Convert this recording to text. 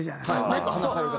マイク離される方。